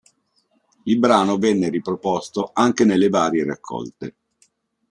Il brano venne riproposto anche nelle varie raccolte.